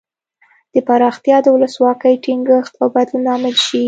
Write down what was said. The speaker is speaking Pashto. دا پراختیا د ولسواکۍ ټینګښت او بدلون لامل شي.